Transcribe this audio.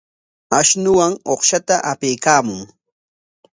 Ashunuwan uqshata apaykaamun.